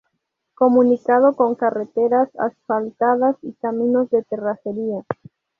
Comunicado con carreteras asfaltadas y caminos de terracería.